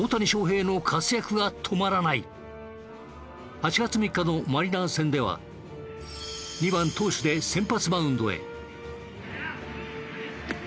８月３日のマリナーズ戦では２番投手で先発マウンドへ。